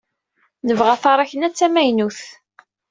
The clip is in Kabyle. Nebɣa taṛakna d tamaynut.